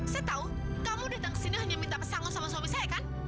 saya tahu kamu datang ke sini hanya minta pesangon sama suami saya kan